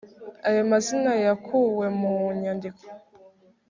ayo mazina yakuwe mu nyandiko